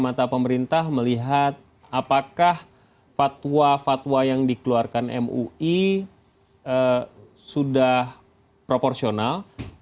bagaimana pemerintah melihat apakah fatwa fatwa yang dikeluarkan mui sudah proporsional